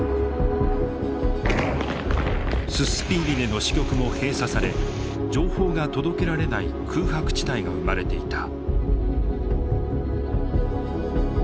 ススピーリネの支局も閉鎖され情報が届けられない空白地帯が生まれていた。